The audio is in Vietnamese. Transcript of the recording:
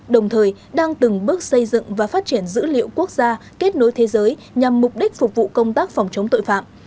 đồng thời đang từng bước xây dựng và phát triển dữ liệu quốc gia kết nối thế giới nhằm mục đích phục vụ công tác phòng chống tội phạm